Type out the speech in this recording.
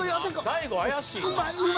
大悟怪しいな。